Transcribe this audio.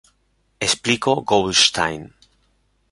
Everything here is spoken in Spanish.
Explico Goldstein.